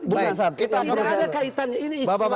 ini tidak ada kaitannya